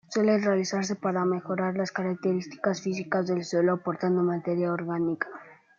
Suelen realizarse para mejorar las características físicas del suelo aportando materia orgánica.